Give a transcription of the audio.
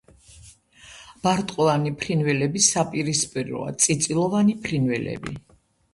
ბარტყოვანი ფრინველების საპირისპიროა წიწილოვანი ფრინველები.